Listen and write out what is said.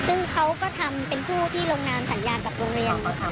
ซึ่งเขาก็ทำเป็นผู้ที่ลงนามสัญญาณกับโรงเรียนค่ะ